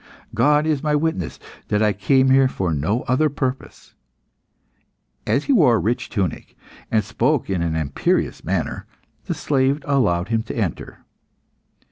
"God is my witness that I came here for no other purpose." As he wore a rich tunic, and spoke in an imperious manner, the slave allowed him to enter.